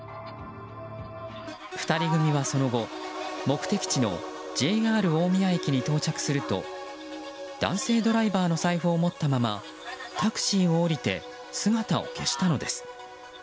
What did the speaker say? ２人組は、その後目的地のＪＲ大宮駅に到着すると男性ドライバーの財布を持ったままタクシーを降りて姿を消したのです。